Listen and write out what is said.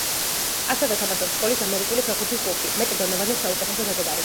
ასევე თამაშობს სკოლის ამერიკული ფეხბურთის კლუბში, მეტ დონოვანის საუკეთესო მეგობარი.